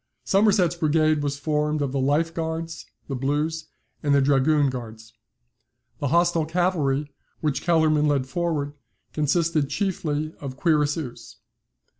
Somerset's brigade was formed of the Life Guards, the Blues, and the Dragoon Guards. The hostile cavalry, which Kellerman led forward, consisted chiefly of Cuirassiers.